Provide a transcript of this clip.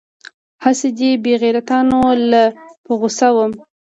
هسې دې بې غيرتانو له په غوسه وم.